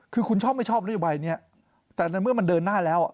คือคุณชอบไม่ชอบเรื่อยแต่เมื่อมันเดินหน้าแล้ว